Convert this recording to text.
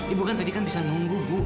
ibu kan tadi kan bisa nunggu bu